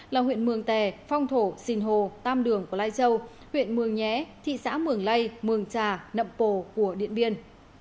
là huyện mường tè phong thổ xìn hồ tam đường của lai châu huyện mường nhé thị xã mường lây mường trà nậm pồ của điện biên